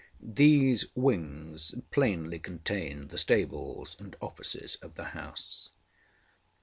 These wings plainly contained the stables and offices of the house.